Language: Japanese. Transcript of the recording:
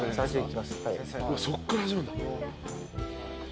そこから始まるんだ。